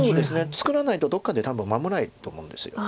作らないとどこかで多分守らないと思うんです。